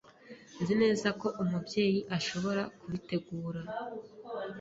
Nzi neza ko Umubyeyi ashobora kubitegura.